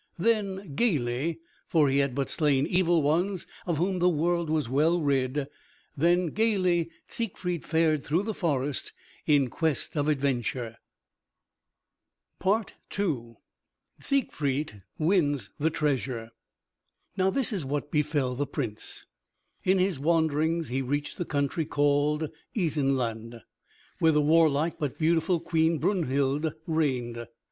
Then gaily, for he had but slain evil ones of whom the world was well rid, then gaily Siegfried fared through the forest in quest of adventure. II SIEGFRIED WINS THE TREASURE Now this is what befell the Prince. In his wanderings he reached the country called Isenland, where the warlike but beautiful Queen Brunhild reigned.